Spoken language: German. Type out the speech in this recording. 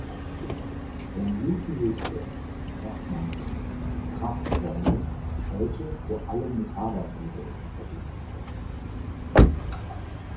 Wenn Newton wüsste, dass man Kraftformeln heute vor allem mit Haarwaschmittel in Verbindung bringt!